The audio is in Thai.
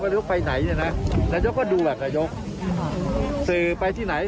นายกไปไหนเนี่ยนะนายกก็ดูแบบนายกสื่อไปที่ไหน